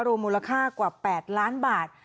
มูลค่ากว่า๘ล้านบาท